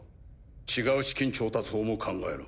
違う資金調達法も考えろ。